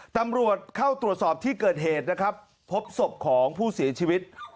ตำรวจเข้าตรวจสอบที่เกิดเหตุนะครับพบศพของผู้เสียชีวิต